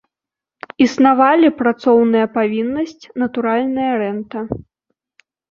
Існавалі працоўная павіннасць, натуральная рэнта.